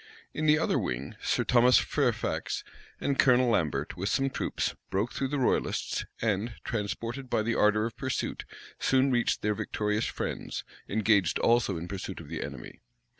In the other wing, Sir Thomas Fairfax and Colonel Lambert, with some troops, broke through the royalists; and, transported by the ardor of pursuit, soon reached their victorious friends, engaged also in pursuit of the enemy.